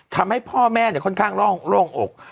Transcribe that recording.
ทำให้พ่อแม่ค่อนข้างโล่งอก